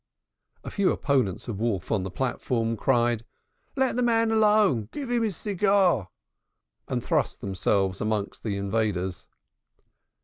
A few opponents of Wolf on the platform cried, "Let the man alone, give him his cigar," and thrust themselves amongst the invaders.